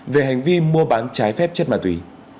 về hành vi mua bán trái phép chất ma túy